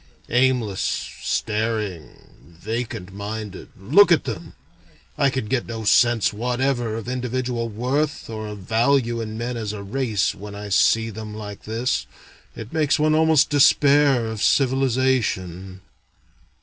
Aimless, staring, vacant minded, look at them! I can get no sense whatever of individual worth, or of value in men as a race, when I see them like this. It makes one almost despair of civilization."